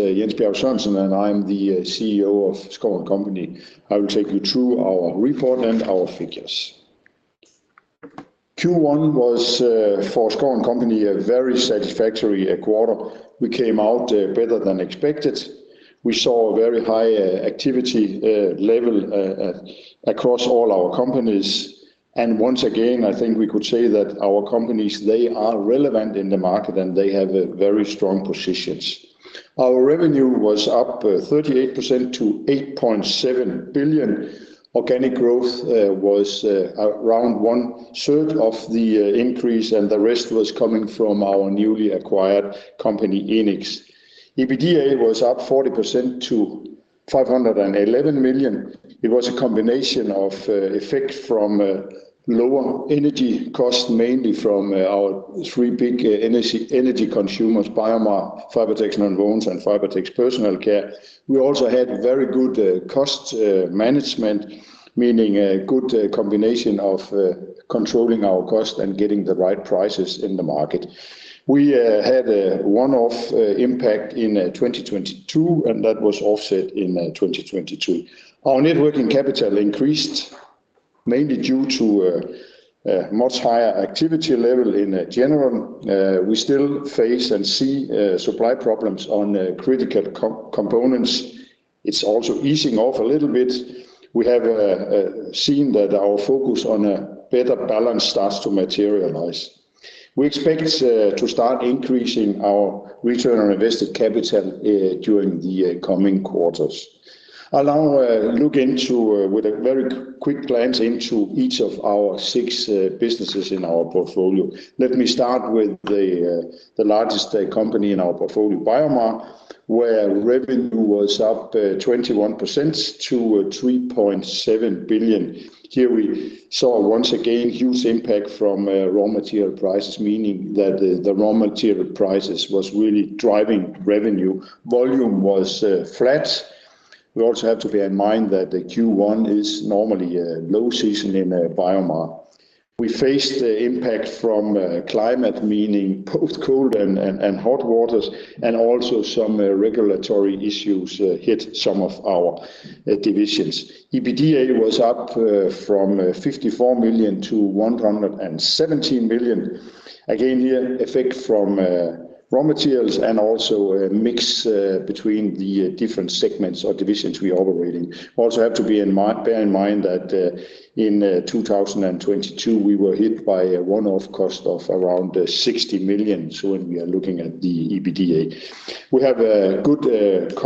It's Jens Bjerg Sørensen. I'm the CEO of Schouw & Co. I will take you through our report and our figures. Q1 was for Schouw & Co. a very satisfactory quarter. We came out better than expected. We saw a very high activity level across all our companies. Once again, I think we could say that our companies, they are relevant in the market, and they have very strong positions. Our revenue was up 38% to 8.7 billion. Organic growth was around one-third of the increase, and the rest was coming from our newly acquired company, Enics. EBITDA was up 40% to 511 million. It was a combination of effect from lower energy costs, mainly from our three big energy consumers, BioMar, Fibertex Nonwovens, and Fibertex Personal Care. We also had very good cost management, meaning a good combination of controlling our costs and getting the right prices in the market. We had a one-off impact in 2022, and that was offset in 2022. Our net working capital increased, mainly due to a much higher activity level in general. We still face and see supply problems on critical components. It's also easing off a little bit. We have seen that our focus on a better balance starts to materialize. We expect to start increasing our return on invested capital during the coming quarters. I'll now look into with a very quick glance into each of our six businesses in our portfolio. Let me start with the largest company in our portfolio, BioMar, where revenue was up 21% to 3.7 billion. Here we saw once again huge impact from raw material prices, meaning that the raw material prices was really driving revenue. Volume was flat. We also have to bear in mind that the Q1 is normally a low season in BioMar. We faced the impact from climate, meaning both cold and hot waters, and also some regulatory issues hit some of our divisions. EBITDA was up from 54 million to 117 million. Again, here, effect from raw materials and also a mix between the different segments or divisions we operating. Bear in mind that in 2022, we were hit by a one-off cost of around 60 million. When we are looking at the EBITDA. We have a good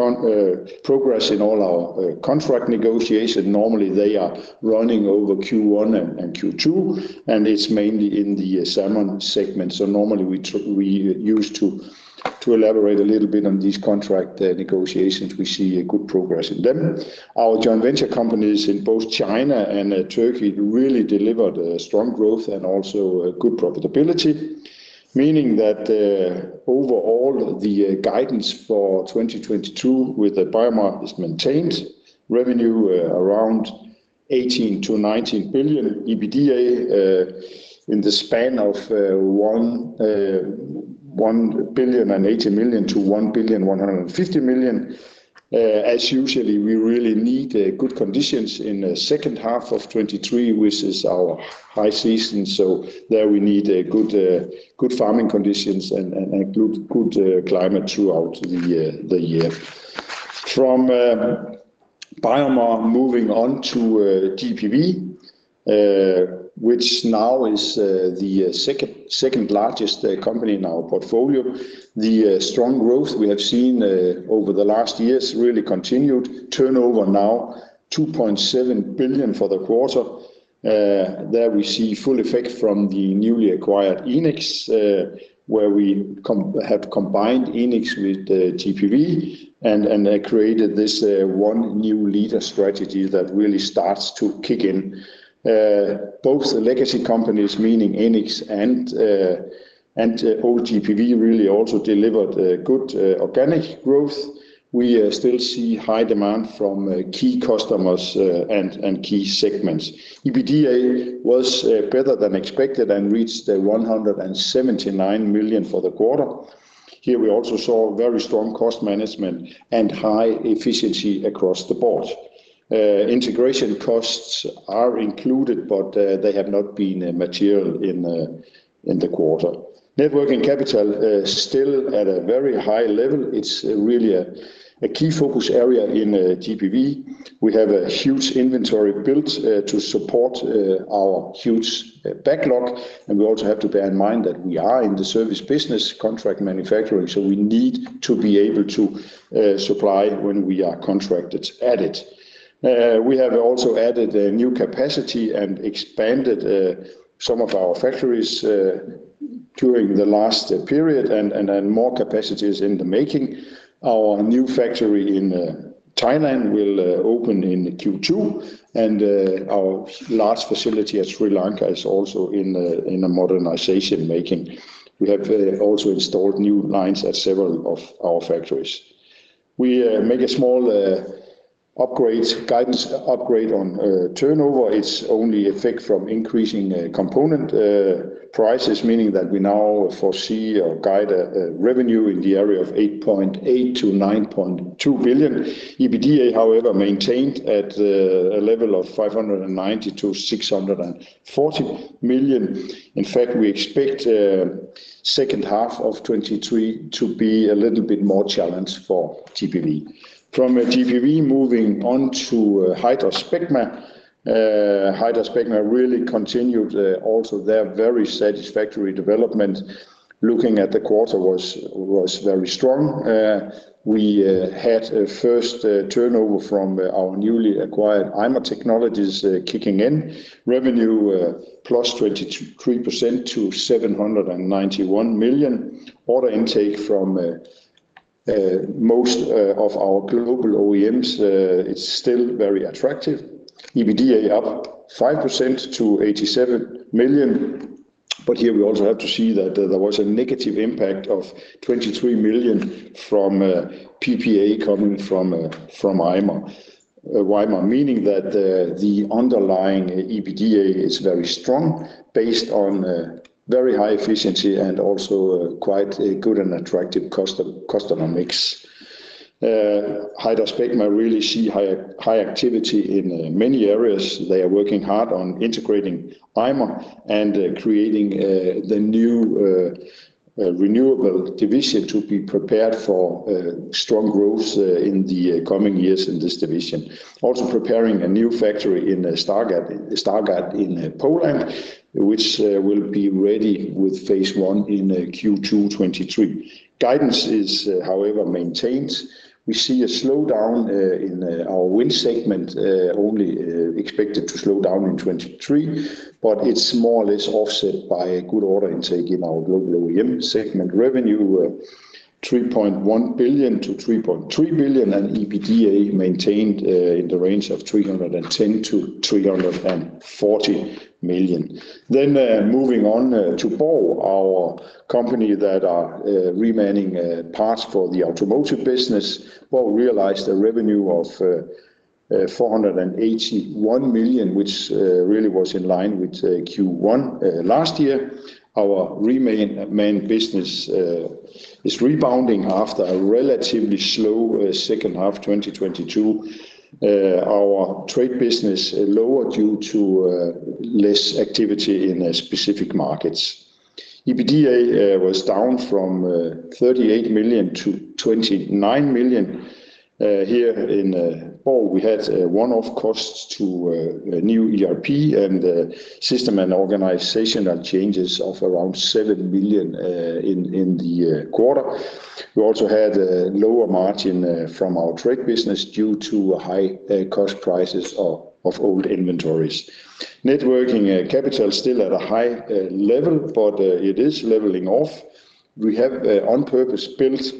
progress in all our contract negotiation. Normally, they are running over Q1 and Q2, and it's mainly in the salmon segment. Normally, we use to elaborate a little bit on these contract negotiations. We see a good progress in them. Our joint venture companies in both China and Turkey really delivered strong growth and also a good profitability, meaning that overall, the guidance for 2022 with the BioMar is maintained. Revenue, around 18 billion to 19 billion. EBITDA, in the span of 1.08 billion to 1.15 billion. As usually, we really need good conditions in the second half of 2023, which is our high season. There we need good farming conditions and good climate throughout the year. BioMar, moving on to GPV, which now is the second largest company in our portfolio. Strong growth we have seen over the last years really continued. Turnover now 2.7 billion for the quarter. There we see full effect from the newly acquired Enics, where we have combined Enics with GPV and created this One. New. Leader. strategy that really starts to kick in. Both the legacy companies, meaning Enics and old GPV, really also delivered good organic growth. We still see high demand from key customers and key segments. EBITDA was better than expected and reached 179 million for the quarter. Here, we also saw very strong cost management and high efficiency across the board. Integration costs are included, but they have not been material in the quarter. Net working capital still at a very high level. It's really a key focus area in GPV. We have a huge inventory built to support our huge backlog, and we also have to bear in mind that we are in the service business contract manufacturing, so we need to be able to supply when we are contracted at it. We have also added a new capacity and expanded some of our factories during the last period, and more capacity is in the making. Our new factory in Thailand will open in Q2, and our large facility at Sri Lanka is also in a modernization making. We have also installed new lines at several of our factories. We make a small upgrade, guidance upgrade on turnover. It's only effect from increasing component prices, meaning that we now foresee or guide a revenue in the area of 8.8 billion to 9.2 billion. EBITDA, however, maintained at a level of 590 million to 640 million. In fact, we expect second half of 2023 to be a little bit more challenged for GPV. From GPV, moving on to HydraSpecma. HydraSpecma really continued also their very satisfactory development. Looking at the quarter was very strong. We had a first turnover from our newly acquired Ymer Technology kicking in. Revenue plus 23% to 791 million. Order intake from most of our global OEMs is still very attractive. EBITDA up 5% to 87 million, but here we also have to see that there was a negative impact of 23 million from PPA coming from Ymer. Meaning that the underlying EBITDA is very strong based on very high efficiency and also quite a good and attractive customer mix. HydraSpecma really see high activity in many areas. They are working hard on integrating Ymer and creating the new renewable division to be prepared for strong growth in the coming years in this division. Also preparing a new factory in Stargard in Poland, which will be ready with phase one in Q2 2023. Guidance is, however, maintained. We see a slowdown in our wind segment, only expected to slow down in 2023, but it's more or less offset by a good order intake in our global OEM segment. Revenue 3.1 billion to 3.3 billion and EBITDA maintained in the range of 310 million to 340 million. Moving on to BORG, our company that are reman parts for the automotive business. We realized a revenue of 481 million, which really was in line with Q1 last year. Our main business is rebounding after a relatively slow second half 2022. Our trade business lowered due to less activity in specific markets. EBITDA was down from 38 million to 29 million. Here in BORG, we had one-off costs to new ERP and system and organizational changes of around 7 million in the quarter. We also had a lower margin from our trade business due to high cost prices of old inventories. Networking capital still at a high level, it is leveling off. We have on purpose built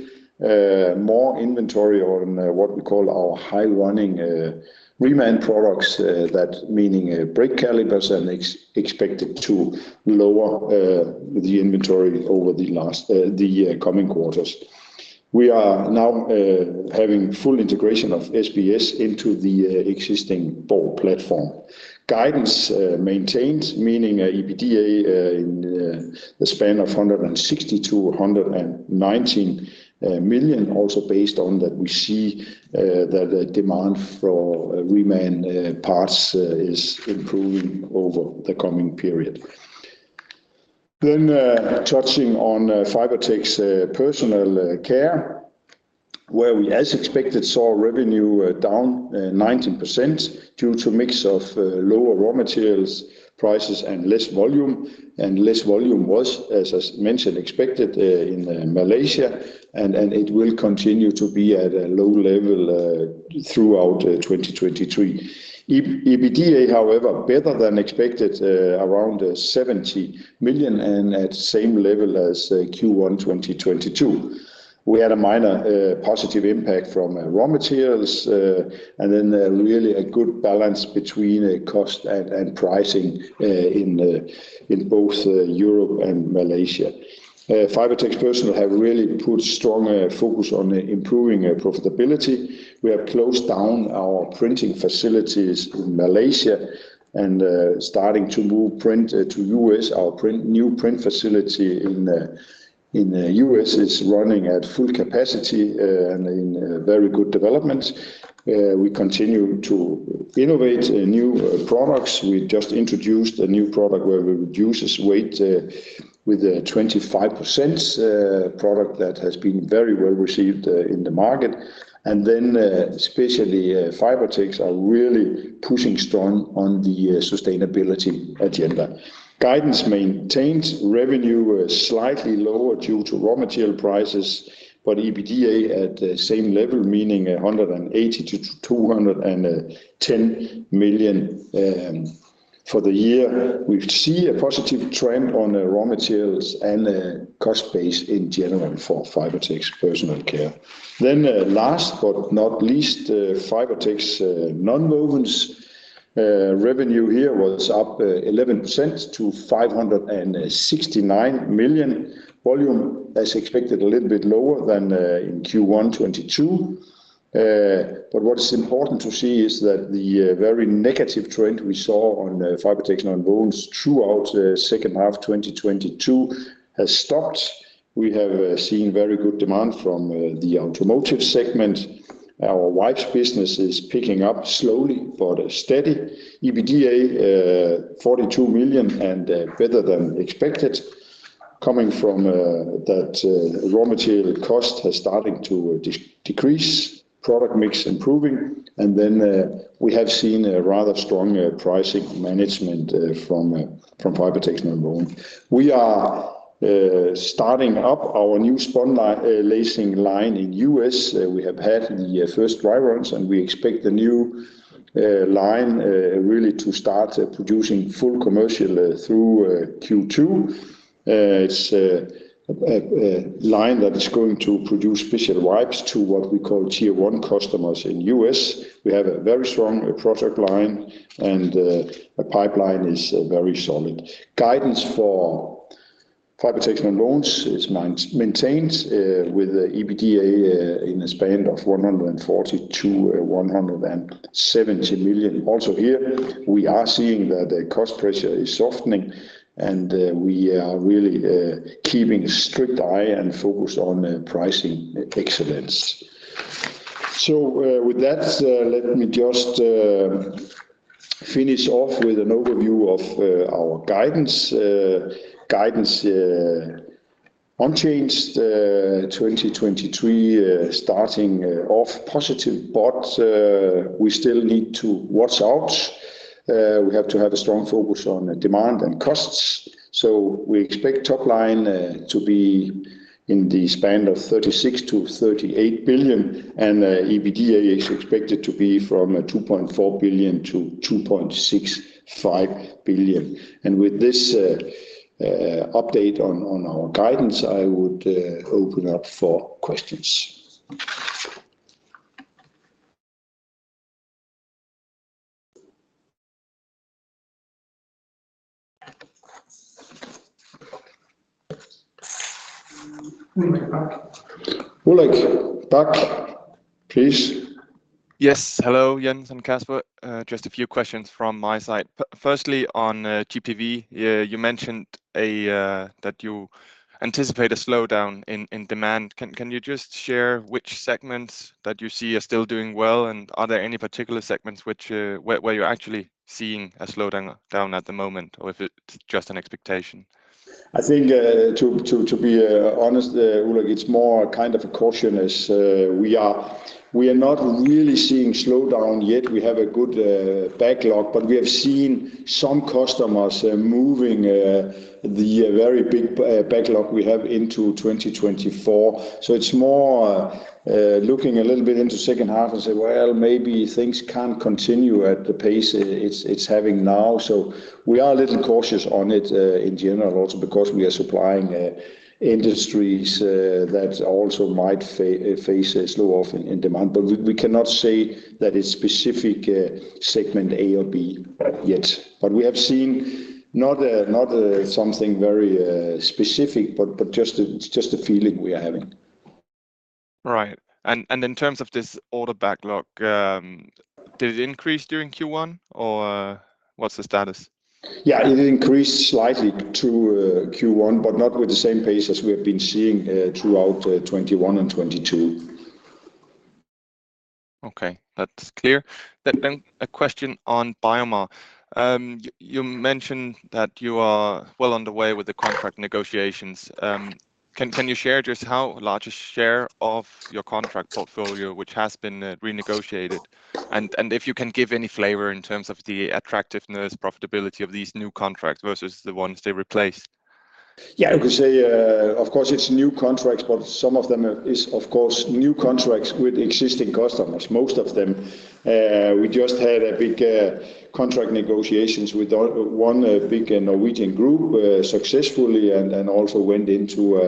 more inventory on what we call our high running reman products, that meaning brake calipers, and expected to lower the inventory over the last the coming quarters. We are now having full integration of SBS into the existing BORG Automotive platform. Guidance maintained, meaning EBITDA in the span of 160 million to 119 million. Also based on that, we see that the demand for reman parts is improving over the coming period. Touching on Fibertex Personal Care, where we, as expected, saw revenue down 19% due to mix of lower raw materials prices and less volume. Less volume was, as mentioned, expected in Malaysia, and it will continue to be at a low level throughout 2023. EBITDA, however, better than expected, around 70 million and at same level as Q1 2022. We had a minor positive impact from raw materials, and then really a good balance between cost and pricing in both Europe and Malaysia. Fibertex Personal have really put strong focus on improving profitability. We have closed down our printing facilities in Malaysia and starting to move print to U.S. Our new print facility in U.S. is running at full capacity and in very good development. We continue to innovate new products. We just introduced a new product where we reduces weight with a 25% product that has been very well received in the market. Especially, Fibertex are really pushing strong on the sustainability agenda. Guidance maintained, revenue was slightly lower due to raw material prices, but EBITDA at the same level, meaning 180 million to 210 million for the year. We see a positive trend on raw materials and cost base in general for Fibertex Personal Care. Last but not least, Fibertex Nonwovens revenue here was up 11% to 569 million. Volume, as expected, a little bit lower than in Q1 2022. What is important to see is that the very negative trend we saw on Fibertex and on BORG throughout second half of 2022 has stopped. We have seen very good demand from the automotive segment. Our wipes business is picking up slowly but steady. EBITDA, 42 million, and better than expected, coming from that raw material cost has started to decrease, product mix improving, we have seen a rather strong pricing management from Fibertex and BORG. We are starting up our new spunlacing line in U.S. We have had the first dry runs, we expect the new line really to start producing full commercial through Q2. It's a line that is going to produce special wipes to what we call tier one customers in U.S. We have a very strong product line. The pipeline is very solid. Guidance for Fibertex and BORG is maintained with EBITDA in the span of 440 million to 170 million. Also here we are seeing that the cost pressure is softening. We are really keeping strict eye and focused on the pricing excellence. With that, let me just finish off with an overview of our guidance. Guidance unchanged. 2023 starting off positive. We still need to watch out. We have to have a strong focus on demand and costs. We expect top line to be in the span of 36 billion to 38 billion, and EBITDA is expected to be from 2.4 billion to 2.65 billion. With this update on our guidance, I would open up for questions. Ulrik Bak. Ulrik Bak, please. Yes. Hello, Jens and Kasper. Just a few questions from my side. Firstly, on GPV, you mentioned that you anticipate a slowdown in demand. Can you just share which segments that you see are still doing well, and are there any particular segments which where you're actually seeing a slowdown at the moment, or is it just an expectation? I think, to be honest, Ulrik, it's more kind of a caution as we are not really seeing slowdown yet. We have a good backlog, but we have seen some customers moving the very big backlog we have into 2024. So it's more looking a little bit into second half and say, "Well, maybe things can't continue at the pace it's having now." So we are a little cautious on it in general, also because we are supplying industries that also might face a slow-off in demand. But we cannot say that it's specific segment A or B yet. But we have seen not a, not a, something very specific, but just a feeling we are having. Right. In terms of this order backlog, did it increase during Q1 or what's the status? Yeah, it increased slightly to Q1, but not with the same pace as we have been seeing throughout 2021 and 2022. Okay, that's clear. A question on BioMar. You mentioned that you are well underway with the contract negotiations. Can you share just how large a share of your contract portfolio which has been renegotiated? And if you can give any flavor in terms of the attractiveness, profitability of these new contracts versus the ones they replaced. Yeah. You could say, of course, it's new contracts, some of them is of course new contracts with existing customers, most of them. We just had a big contract negotiations with 1 big Norwegian group successfully and also went into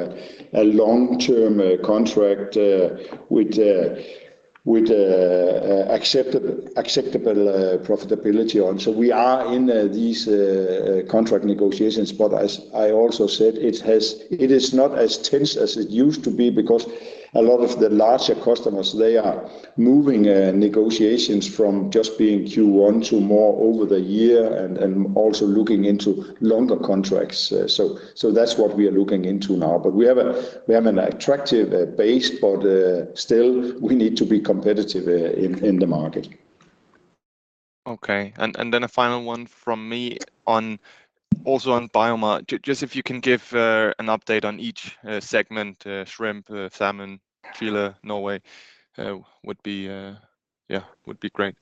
a long-term contract with a, with acceptable profitability on. We are in these contract negotiations. As I also said, it is not as tense as it used to be because a lot of the larger customers, they are moving negotiations from just being Q1 to more over the year and also looking into longer contracts. So that's what we are looking into now. We have an attractive base, but still we need to be competitive in the market. Okay. Then a final one from me on, also on BioMar. Just if you can give an update on each segment, shrimp, salmon, filet, Norway, would be great.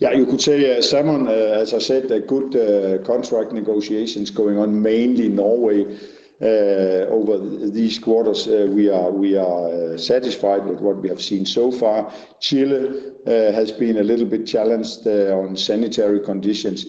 You could say salmon, as I said, a good contract negotiations going on, mainly Norway. These quarters, we are satisfied with what we have seen so far. Chile has been a little bit challenged on sanitary conditions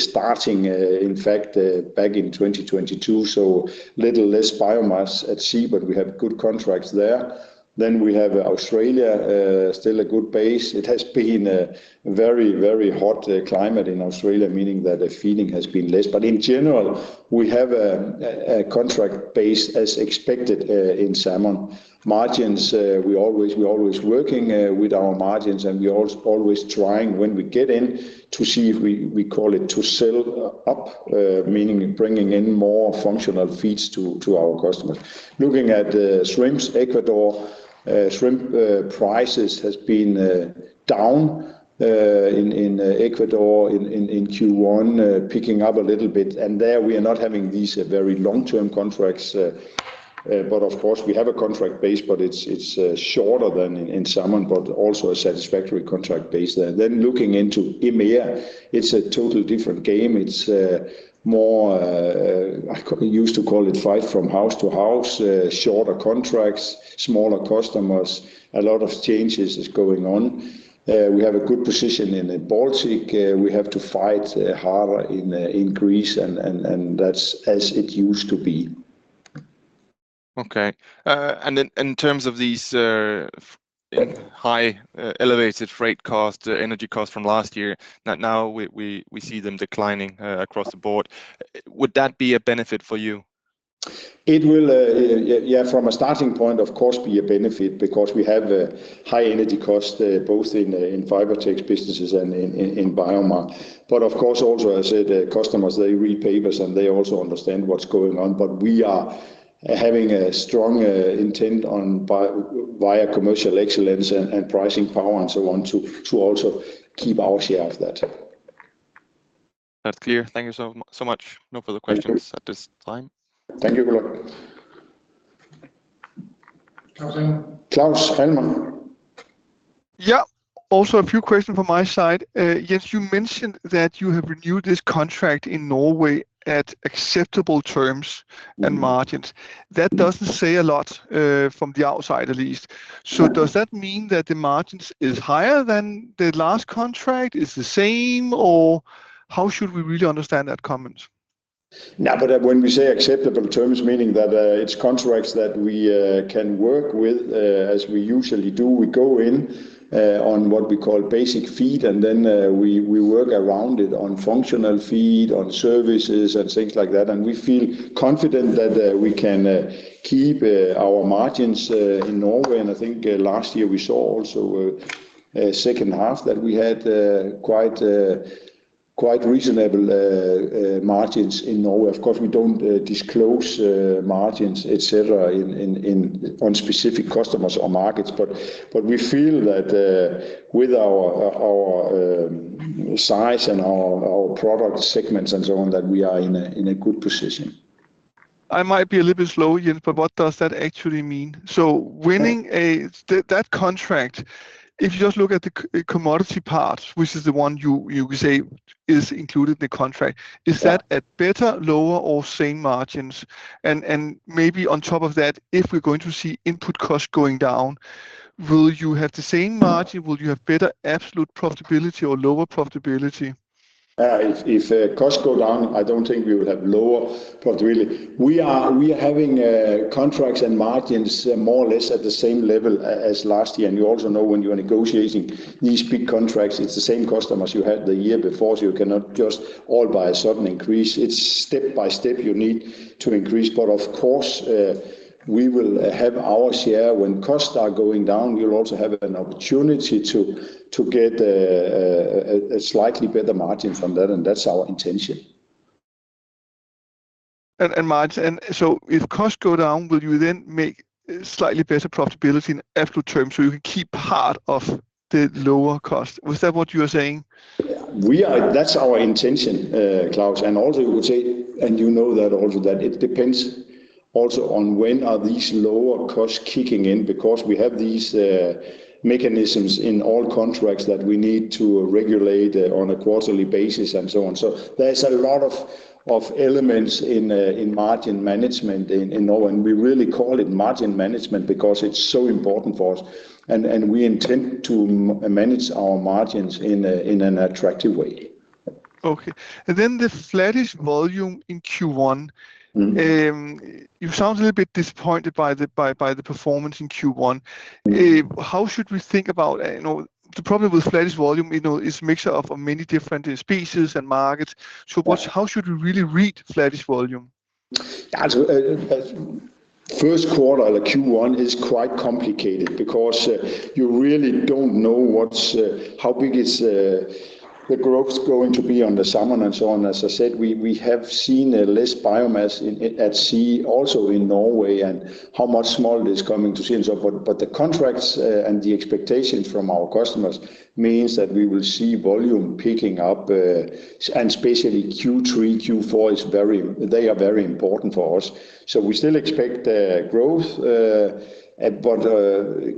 starting, in fact, back in 2022, so little less biomass at sea, but we have good contracts there. We have Australia, still a good base. It has been a very, very hot climate in Australia, meaning that the feeding has been less. In general, we have a contract base as expected in salmon. Margins, we always working with our margins and we always trying when we get in to see if we call it to sell up, meaning bringing in more functional feeds to our customers. Looking at the shrimps, Ecuador, shrimp, prices has been down in Ecuador in Q1, picking up a little bit. There we are not having these very long-term contracts, but of course we have a contract base, but it's shorter than in salmon but also a satisfactory contract base there. Looking into EMEA, it's a total different game. It's more, we used to call it fight from house to house, shorter contracts, smaller customers, a lot of changes is going on. We have a good position in the Baltic. We have to fight harder in Greece and that's as it used to be. Okay. In terms of these, high, elevated freight costs, energy costs from last year, now we see them declining, across the board. Would that be a benefit for you? It will, yeah from a starting point, of course, be a benefit because we have a high energy cost, both in Fibertex businesses and in BioMar. Of course, also I said, customers, they read papers, and they also understand what's going on. We are having a strong intent on via commercial excellence and pricing power and so on to also keep our share of that. That's clear. Thank you so much. No further questions at this time. Thank you. Klaus. Klaus, go on. Yeah. Also a few questions from my side. Jens, you mentioned that you have renewed this contract in Norway at acceptable terms and margins. That doesn't say a lot, from the outside at least. Does that mean that the margins is higher than the last contract? Is the same? How should we really understand that comment? When we say acceptable terms, meaning that it's contracts that we can work with as we usually do. We go in on what we call basic feed, and then we work around it on functional feed, on services and things like that. We feel confident that we can keep our margins in Norway. I think last year we saw also a second half that we had quite reasonable margins in Norway. Of course, we don't disclose margins, et cetera, on specific customers or markets. We feel that with our size and our product segments and so on, that we are in a good position. I might be a little bit slow here, but what does that actually mean? Winning that contract, if you just look at the commodity part, which is the one you say is included the contract. Yeah. Is that at better, lower or same margins? Maybe on top of that, if we're going to see input costs going down, will you have the same margin? Will you have better absolute profitability or lower profitability? If costs go down, I don't think we will have lower profitability. We are having contracts and margins more or less at the same level as last year. You also know when you are negotiating these big contracts, it's the same customers you had the year before, so you cannot just all by a sudden increase. It's step by step you need to increase. Of course, we will have our share. When costs are going down, we'll also have an opportunity to get a slightly better margin from that, and that's our intention. Margin. If costs go down, will you then make slightly better profitability in absolute terms, so you can keep part of the lower cost? Was that what you were saying? That's our intention, Klaus. I would say, and you know that also that it depends also on when are these lower costs kicking in because we have these mechanisms in all contracts that we need to regulate on a quarterly basis and so on. There's a lot of elements in margin management in Norway, and we really call it margin management because it's so important for us. We intend to manage our margins in an attractive way. Okay. The flattish volume in Q1. You sound a little bit disappointed by the performance in Q1. How should we think about the problem with flattish volume, you know, is mixture of many different species and markets? Right. How should we really read flattish volume? Q1 or the Q1 is quite complicated because you really don't know what's how big is the growth going to be on the salmon and so on. As I said, we have seen less biomass at sea also in Norway and how much small it is coming to sea and so forth. The contracts and the expectations from our customers means that we will see volume picking up, and especially Q3, Q4 they are very important for us. We still expect growth,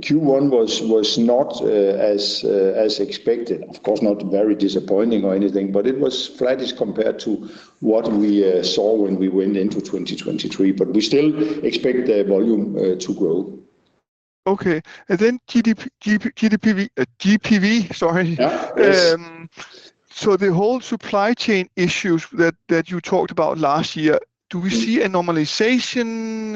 Q1 was not as expected. Of course, not very disappointing or anything, but it was flattish compared to what we saw when we went into 2023, but we still expect the volume to grow. Okay. GPV, sorry. Yeah. The whole supply chain issues that you talked about last year, do we see a normalization?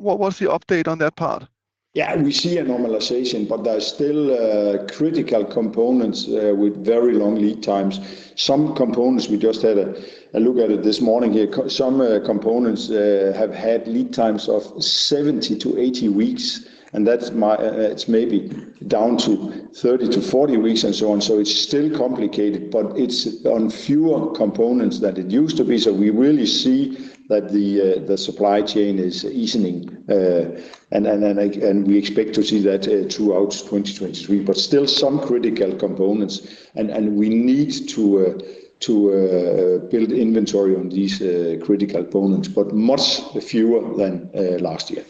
What was the update on that part? Yeah, we see a normalization, but there's still critical components with very long lead times. Some components we just had a look at it this morning here. Some components have had lead times of 70 to 80 weeks, and that's maybe down to 30 to 40 weeks and so on. It's still complicated, but it's on fewer components than it used to be, so we really see that the supply chain is easing. We expect to see that throughout 2023. Still some critical components and we need to build inventory on these critical components, but much fewer than last year.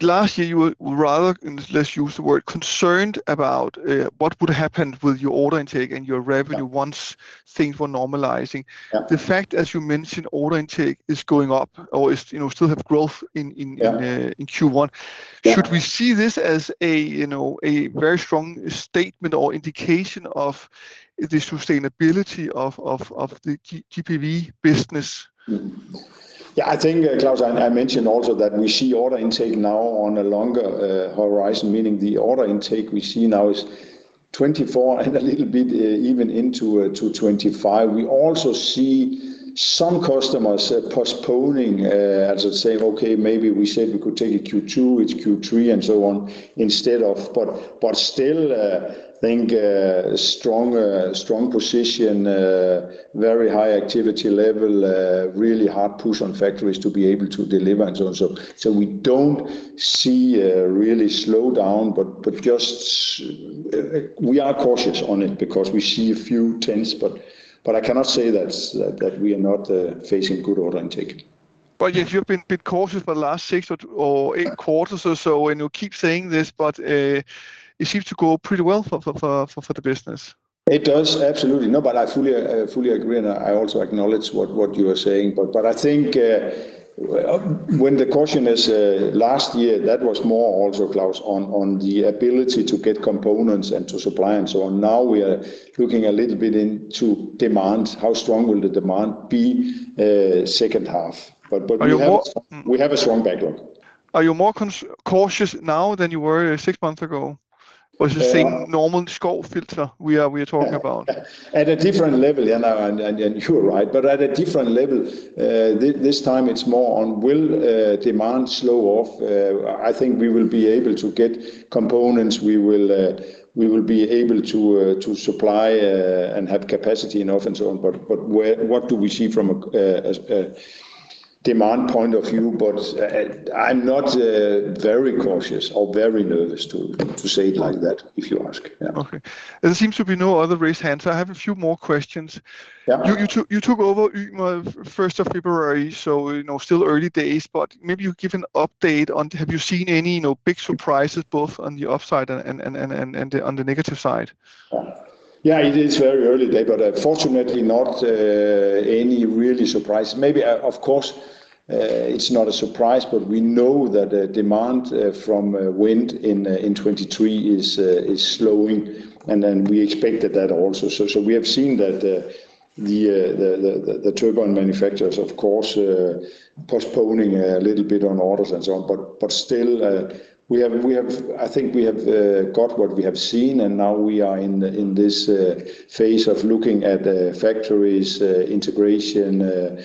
Last year you were rather, and let's use the word, concerned about what would happen with your order intake and your revenue. once things were normalizing. The fact, as you mentioned, order intake is going up or is still have growth in Q1. Yeah. Should we see this as a, you know, a very strong statement or indication of the sustainability of the GPV business? Yeah, I think Klaus, I mentioned also that we see order intake now on a longer horizon, meaning the order intake we see now is 24 and a little bit even into to 25. We also see some customers postponing, as I said, "Okay, maybe we said we could take it Q2, it's Q3," and so on instead of thinking a strong position, a very high activity level, a really hard push on factories to be able to deliver and so on. We don't see a really slow down, but just we are cautious on it because we see a few trends, but I cannot say that we are not facing good order intake. You've been a bit cautious for the last six or eight quarters or so, and you keep saying this, but it seems to go pretty well for the business. It does, absolutely. I fully agree, and I also acknowledge what you are saying. I think, when the caution is last year, that was more also, Klaus, on the ability to get components and to supply and so on. Now we are looking a little bit into demand. How strong will the demand be H2. We have a strong background. Are you more cautious now than you were six months ago? Is the same normal score filter we are talking about? At a different level. No, you are right, but at a different level. This time it's more on will demand slow off? I think we will be able to get components. We will be able to supply and have capacity and so on and so on. What do we see from a demand point of view? I'm not very cautious or very nervous to say it like that, if you ask. Okay. There seems to be no other raised hands. I have a few more questions. Yeah. You took over, 1st of February, so, you know, still early days, but maybe you give an update on have you seen any, you know, big surprises both on the upside and on the negative side? Yeah, it is very early day, but fortunately not any really surprise. Maybe, of course, it's not a surprise, but we know that the demand from wind in 2023 is slowing, and then we expected that also. We have seen that the turbine manufacturers of course postponing a little bit on orders and so on. Still, we have, I think we have got what we have seen, and now we are in this phase of looking at the factories, integration,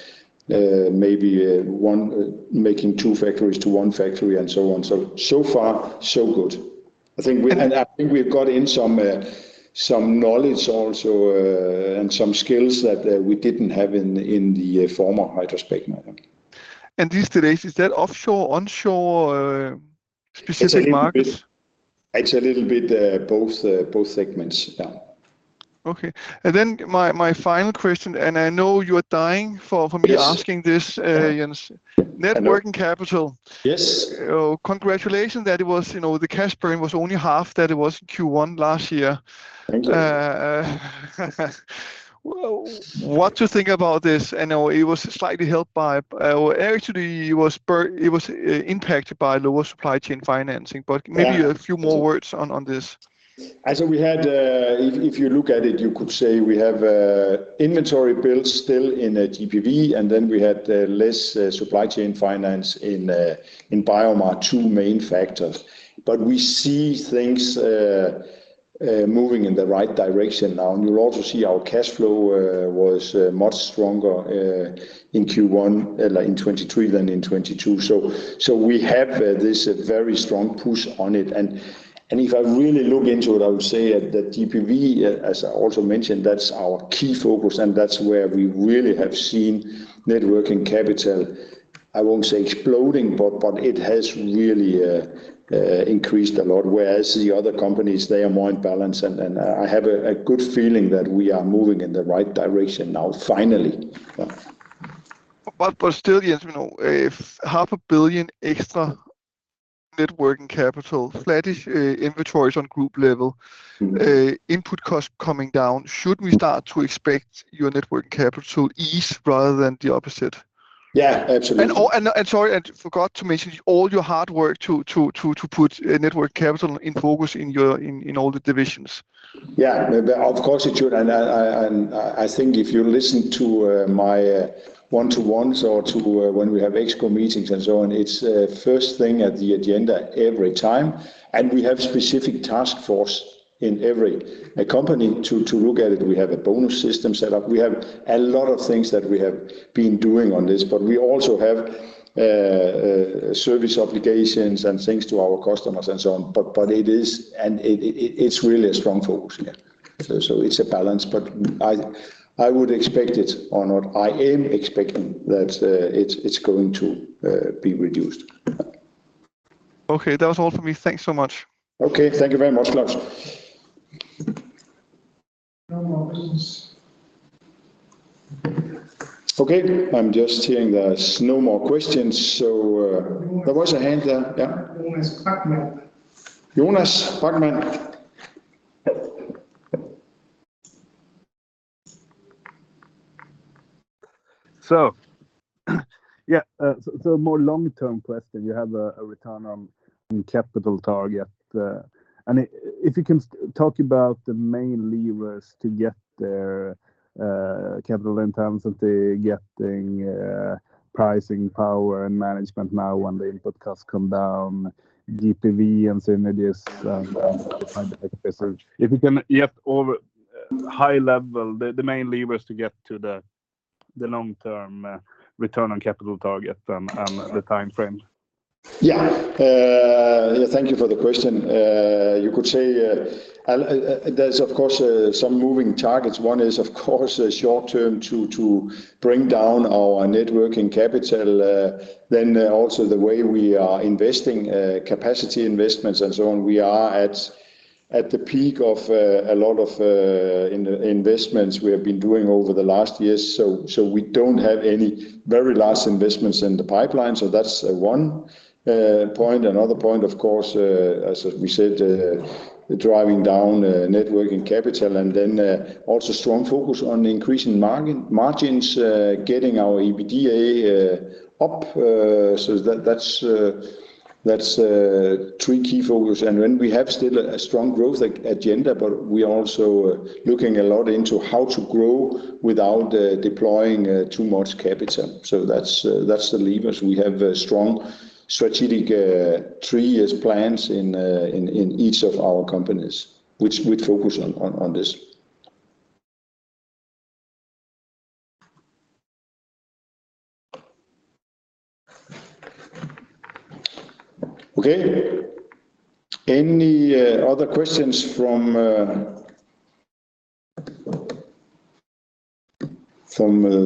maybe one making two factories to one factory and so on. So far so good. I think we I think we've got in some knowledge also, and some skills that, we didn't have in the former HydraSpecma now. These days is that offshore, onshore, specific markets? It's a little bit, both segments. Okay. Then my final question, I know you are dying for me asking this, Jens. Yes. Networking capital. Yes. Congratulations that it was, you know, the cash burn was only half that it was in Q1 last year. Thank you. What to think about this? I know it was slightly helped by, actually it was impacted by lower supply chain financing. Yeah. maybe a few more words on this. As we had, if you look at it, you could say we have inventory built still in GPV, then we had less supply chain finance in BioMar, two main factors. We see things moving in the right direction now. You'll also see our cash flow was much stronger in Q1 like in 2023 than in 2022. We have this very strong push on it. If I really look into it, I would say that GPV, as I also mentioned, that's our key focus and that's where we really have seen net working capital, I won't say exploding, but it has really increased a lot. The other companies, they are more in balance and I have a good feeling that we are moving in the right direction now finally. Yeah. Still, Jens, you know, if half a billion extra networking capital, flattish, inventories on group level, input cost coming down, should we start to expect your network capital ease rather than the opposite? Yeah, absolutely. Sorry, I forgot to mention all your hard work to put network capital in focus in all the divisions. Yeah. Of course it should. I think if you listen to my one-to-ones or to when we have ExCo meetings and so on, it's first thing at the agenda every time. We have specific task force in every company to look at it. We have a bonus system set up. We have a lot of things that we have been doing on this, but we also have service obligations and things to our customers and so on. It is, and it's really a strong focus, yeah. It's a balance, but I would expect it or not. I am expecting that it's going to be reduced. Okay. That was all for me. Thanks so much. Okay, thank you very much, Klaus. No more questions. Okay. I'm just hearing there's no more questions. Jonas. There was a hand there. Yeah. Jonas Backman. Jonas Backman. Yeah, more long-term question, you have a return on capital target. If you can talk about the main levers to get the capital intensity, getting pricing power and management now when the input costs come down, GPV and synergies, if you can over high level the main levers to get to the long-term return on capital target and the time frame? Yeah, thank you for the question. You could say, there's of course some moving targets. One is, of course, short-term to bring down our net working capital. Also the way we are investing, capacity investments and so on. We are at the peak of a lot of investments we have been doing over the last years. We don't have any very large investments in the pipeline. That's one point. Another point, of course, as we said, driving down net working capital and then also strong focus on increasing margins, getting our EBITDA up. That's three key focus. We have still a strong growth agenda, but we are also looking a lot into how to grow without deploying too much capital. That's the levers. We have a strong strategic three years plans in each of our companies which we focus on this. Okay. Any other questions from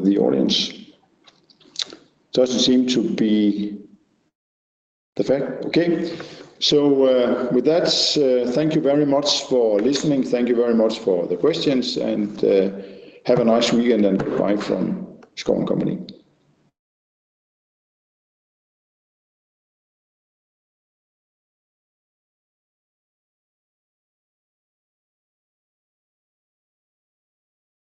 the audience? Doesn't seem to be the fact. Okay. With that, thank you very much for listening. Thank you very much for the questions, and have a nice weekend, and bye from Schouw & Co.